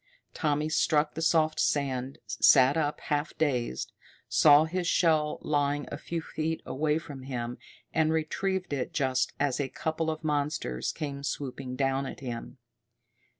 Tommy struck the soft sand, sat up, half dazed, saw his shell lying a few feet away from him, and retrieved it just as a couple of the monsters came swooping down at him.